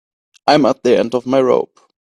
I'm at the end of my rope.